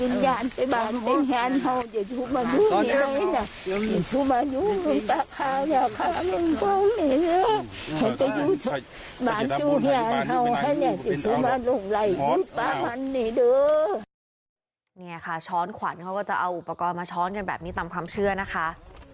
นี่ค่ะช้อนขวัญเขาก็จะเอาอุปกรณ์มาช้อนกันแบบนี้ตามความเชื่อนะคะ